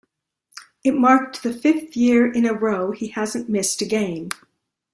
It marked the fifth year in a row he hasn't missed a game.